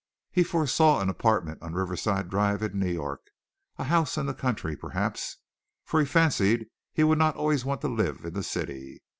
He foresaw an apartment on Riverside Drive in New York, a house in the country perhaps, for he fancied he would not always want to live in the city.